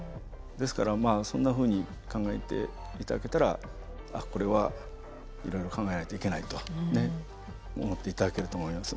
ですからそんなふうに考えて頂けたらこれはいろいろ考えないといけないと思って頂けると思います。